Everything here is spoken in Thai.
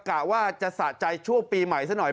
กะว่าจะสะใจช่วงปีใหม่ซะหน่อย